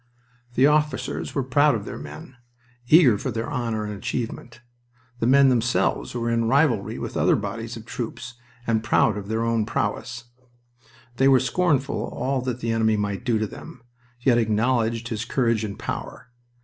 The officers were proud of their men, eager for their honor and achievement. The men themselves were in rivalry with other bodies of troops, and proud of their own prowess. They were scornful of all that the enemy might do to them, yet acknowledged his courage and power.